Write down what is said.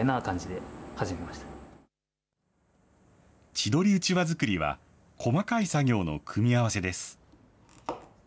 千鳥うちわ作りは、細かい作業の組み合わせです。